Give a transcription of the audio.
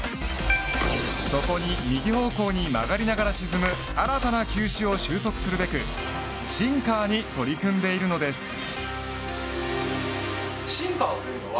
そこに右方向に曲がりながら沈む新たな球種を習得するべくシンカーに取り組んでいるのです。